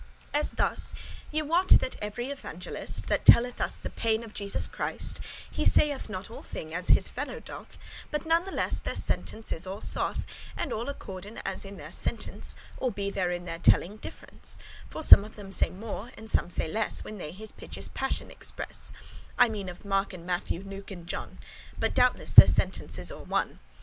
As thus, ye wot that ev'ry Evangelist, That telleth us the pain* of Jesus Christ, *passion He saith not all thing as his fellow doth; But natheless their sentence is all soth,* *true And all accorden as in their sentence,* *meaning All be there in their telling difference; For some of them say more, and some say less, When they his piteous passion express; I mean of Mark and Matthew, Luke and John; But doubteless their sentence is all one.